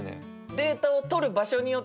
データを取る場所によってね